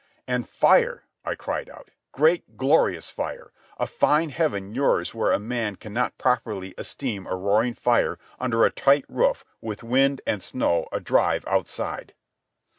"And fire!" I cried out. "Great glorious fire! A fine heaven yours where a man cannot properly esteem a roaring fire under a tight roof with wind and snow a drive outside."